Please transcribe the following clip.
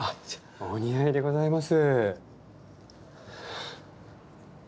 お似合いでございます。